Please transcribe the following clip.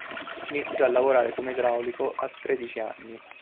Iniziò a lavorare come idraulico a tredici anni.